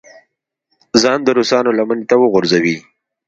ځان د روسانو لمنې ته وغورځوي.